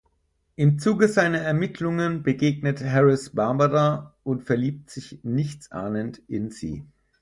Im Zuge seiner Ermittlungen begegnet Harris Barbara und verliebt sich nichtsahnend in sie.